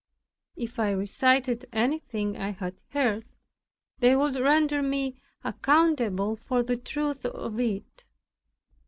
If I recited anything I had heard, they would render me accountable for the truth of it.